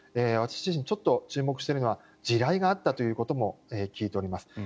私自身ちょっと注目しているのは地雷があったということも聞いています。